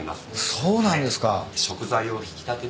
そうなんですか。